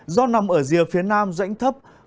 gió nằm ở rìa phía nam dãnh thấp